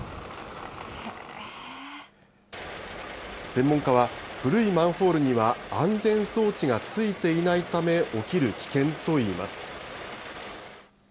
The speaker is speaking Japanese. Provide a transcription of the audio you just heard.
専門家は、古いマンホールには安全装置がついていないため、起きる危険といいます。